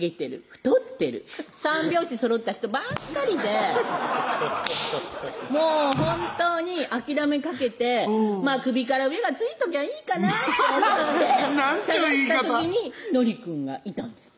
太ってる三拍子そろった人ばっかりでもう本当に諦めかけて首から上が付いときゃいいかなと思ってなんちゅう言い方探した時にのりくんがいたんです